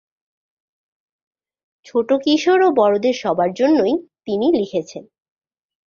ছোট-কিশোর ও বড়দের সবার জন্যই তিনি লিখেছেন।